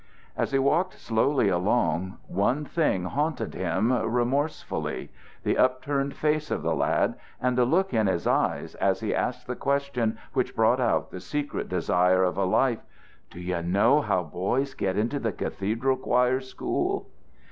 As he walked slowly along, one thing haunted him remorsefully the upturned face of the lad and the look in his eyes as he asked the question which brought out the secret desire of a life: "Do you know how boys get into the cathedral choir school?"